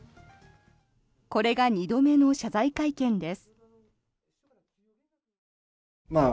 これが２度目の謝罪会見です。